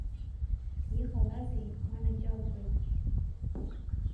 Иҟалазеи, уанаџьалбеит?